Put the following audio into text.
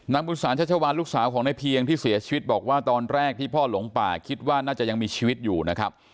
บุษานชัชวานลูกสาวของนายเพียงที่เสียชีวิตบอกว่าตอนแรกที่พ่อหลงป่าคิดว่าน่าจะยังมีชีวิตอยู่นะครับ